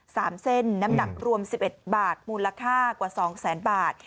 สามเส้นน้ำหนักรวมสิบเอ็ดบาทมูลค่ากว่าสองแสนบาท